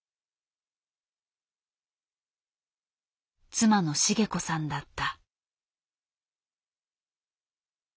妻の茂子さんだった。